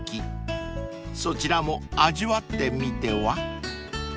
［そちらも味わってみては？］